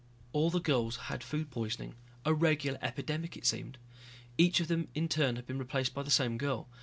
All the girls had food poisoning, a regular epidemic it seemed. Each of them in turn had been replaced by the same girl.